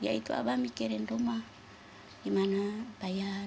yaitu abah mikirin rumah di mana bayar